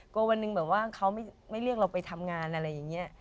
วันหนึ่งแบบว่าเขาไม่เรียกเราไปทำงานอะไรอย่างนี้